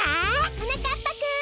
はなかっぱくん。